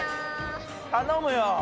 頼むよ。